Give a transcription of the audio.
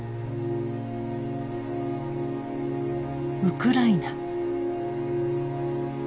ウクライナ。